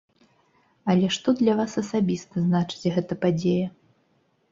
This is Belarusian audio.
Але што для вас асабіста значыць гэта падзея?